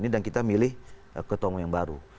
dan kita milih ketemu yang baru